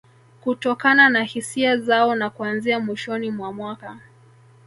Kutokana na hisia zao na kuanzia mwishoni mwa miaka